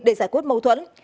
để giải quyết mâu thuẫn